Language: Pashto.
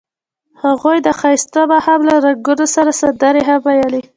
هغوی د ښایسته ماښام له رنګونو سره سندرې هم ویلې.